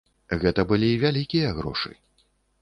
Гэта былі вялікія грошы.